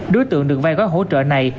đối tượng được vai gói hỗ trợ này